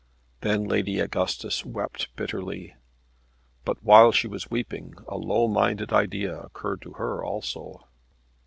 Then Lady Augustus wept bitterly; but while she was weeping, a low minded idea occurred to her also.